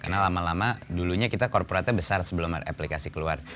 karena lama lama dulunya kita korporatnya besar sebelum aplikasi keluar